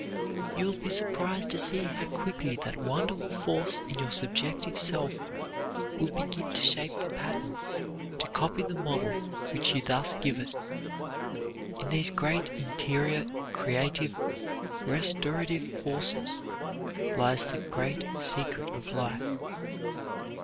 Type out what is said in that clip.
You will be surprised to see how quickly that wonderful force in your subjective self will begin to shape the pattern, to copy the model which you thus give it. In these great interior creative, restorative forces lies the great secret of life.